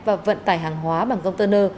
và vận tải hàng hóa bằng container